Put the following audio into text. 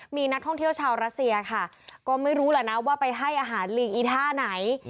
มีนักท่องเที่ยวชาวรัสเซียค่ะก็ไม่รู้แหละนะว่าไปให้อาหารลิงอีท่าไหน